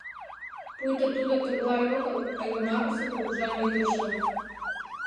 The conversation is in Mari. Пуйто тудо тыглай огыл, а йомакысе кугыжан ӱдыржӧ.